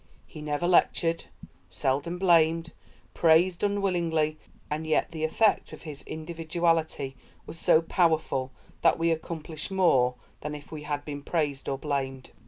He never lectured, seldom blamed; praised unwillingly; and yet the effect of his individuality was so powerful that we accomplished more than if we had been praised or blamed.